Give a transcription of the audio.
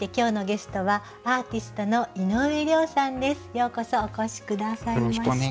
ようこそお越し下さいました。